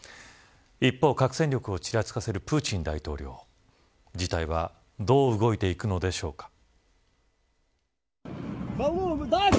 一方、核戦力をちらつかせるプーチン大統領自体はどう動いていくのでしょうか。